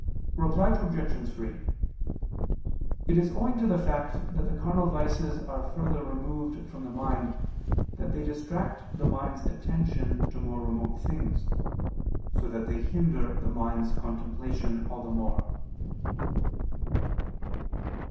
Reply Obj. 3: It is owing to the fact that the carnal vices are further removed from the mind, that they distract the mind's attention to more remote things, so that they hinder the mind's contemplation all the more.